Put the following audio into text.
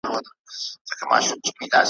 ستا سندره ووایم څوک خو به څه نه وايي `